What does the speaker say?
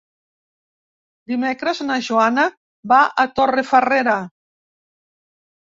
Dimecres na Joana va a Torrefarrera.